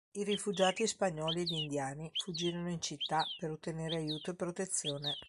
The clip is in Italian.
I rifugiati spagnoli ed indiani fuggirono in città per ottenere aiuto e protezione.